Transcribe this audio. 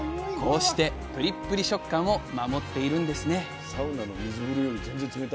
こうしてプリップリ食感を守っているんですね